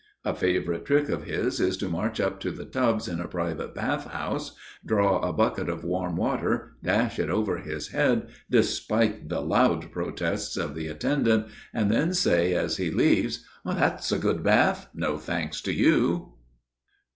A favorite trick of his is to march up to the tubs in a private bath house, draw a bucket of warm water, dash it over his head, despite the loud protests of the attendant, and then say, as he leaves: "That's a good bath; no thanks to you!"